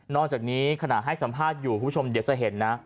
จากนี้ขณะให้สัมภาษณ์อยู่คุณผู้ชมเดี๋ยวจะเห็นนะ